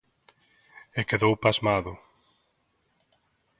E quedou pasmado.